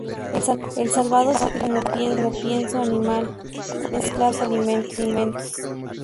El salvado se utilizaba como pienso animal, mezclado con otros alimentos.